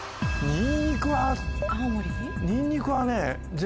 にんにくはね。